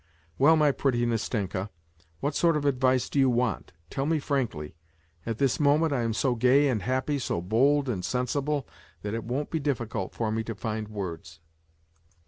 Well, my pretty Nastenka, what sort of advice do you want ? Tell me frankly ; at this moment I am so gay and happy, so bold and sensible, that it won't be difficult for me to find words."